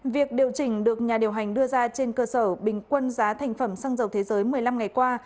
việc điều chỉnh được nhà điều hành đưa ra trên cơ sở bình quân giá thành phẩm xăng dầu thế giới một mươi năm ngày qua